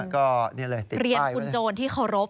ก็นี่เลยติดป้ายเรียนคุณโจรที่เคารพ